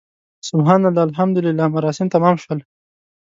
سبحان الله، الحمدلله مراسم تمام شول.